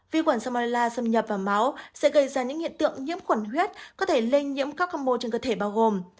vi khuẩn salmonella xâm nhập vào máu sẽ gây ra những hiện tượng nhiễm khuẩn huyết có thể lây nhiễm các khâm mộ trên cơ thể bao gồm